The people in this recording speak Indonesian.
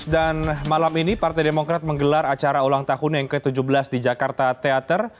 dan malam ini partai demokrat menggelar acara ulang tahun yang ke tujuh belas di jakarta teater